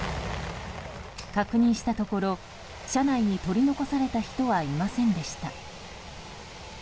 確認したところ車内に取り残された人はいませんでした。